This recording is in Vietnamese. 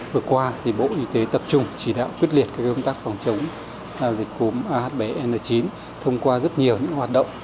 vừa qua bộ y tế tập trung chỉ đạo quyết liệt các công tác phòng chống dịch cúm ah bảy n chín thông qua rất nhiều hoạt động